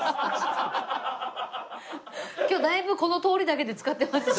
今日だいぶこの通りだけで使ってますよ。